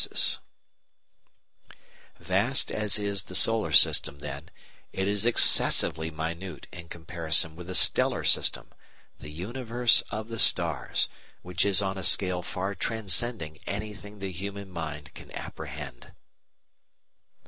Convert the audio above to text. THE GREAT NEBULA IN ANDROMEDA, MESSIER 31] Vast as is the Solar System, then, it is excessively minute in comparison with the Stellar System, the universe of the Stars, which is on a scale far transcending anything the human mind can apprehend.